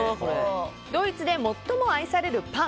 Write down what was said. ドイツで最も愛されるパン！